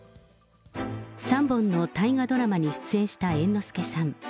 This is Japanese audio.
３本の大河ドラマに出演した猿之助さん。